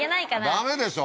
ダメでしょ？